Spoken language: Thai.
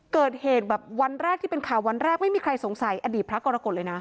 เกิดเหตุแบบวันแรกที่เป็นข่าววันแรกไม่มีใครสงสัยอดีตพระกรกฎเลยนะ